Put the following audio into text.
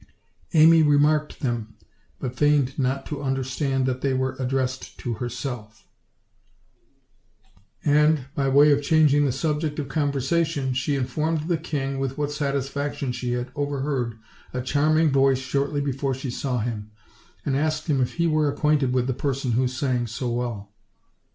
Amy remarked them, but feigned not to understand that they were addressed to herself; and, by way of changing the subject of conversation, she in formed the king with what satisfaction she had overheard a charming voice shortly before she saw him, and asked him if he were acquainted with the person who sang so well.